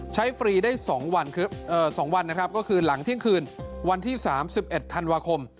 ใช้ฟรีได้สองวันครับสองวันนะครับก็คือหลังที่คืนวันที่๓๑ธันวาคม